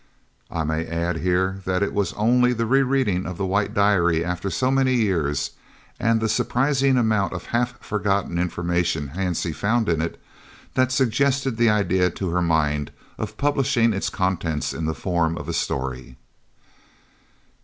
I may add here that it was only the re reading of the White Diary after so many years, and the surprising amount of half forgotten information Hansie found in it, that suggested the idea to her mind of publishing its contents in the form of a story.